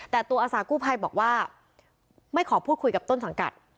แต่ตัวอาสากู้ภัยบอกว่าไม่ขอพูดคุยกับต้นสังกัด